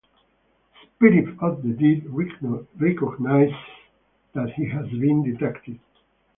The spirit of the dead recognizes that he has been detected.